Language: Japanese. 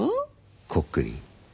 コックリ。